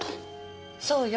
そうよ。